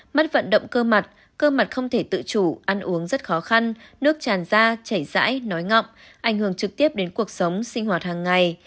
mất vận động cơ mặt cơ mặt không thể tự chủ ăn uống rất khó khăn nước tràn ra chảy dãi nói ngọng ảnh hưởng trực tiếp đến cuộc sống sinh hoạt hàng ngày